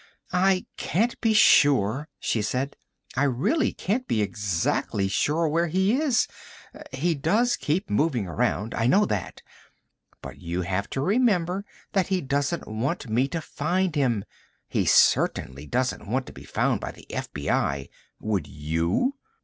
"I can't be sure," she said. "I really can't be exactly sure just where he is. He does keep moving around, I know that. But you have to remember that he doesn't want me to find him. He certainly doesn't want to be found by the FBI ... would you?"